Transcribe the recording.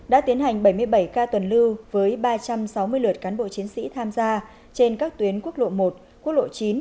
đã tiến hành bảy mươi bảy ca tuần lưu với ba trăm sáu mươi lượt cán bộ chiến sĩ tham gia trên các tuyến quốc lộ một quốc lộ chín